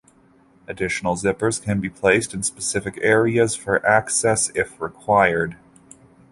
Additional zippers can be placed in specific areas for access, if required.